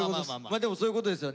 でもそういうことですよね。